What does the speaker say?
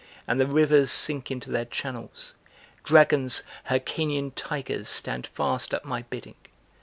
And the rivers sink into their channels; Dragons, Hyrcanian tigers stand fast at my bidding!